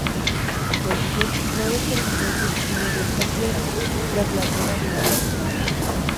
Tolkien no determinó el destino de esa piedra tras la Guerra del Anillo.